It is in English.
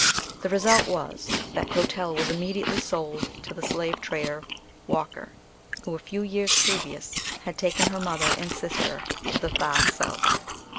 The result was, that Clotel was immediately sold to the slave trader, Walker, who, a few years previous, had taken her mother and sister to the far South.